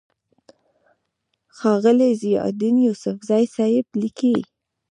ښاغلے ضياءالدين يوسفزۍ صېب ليکي: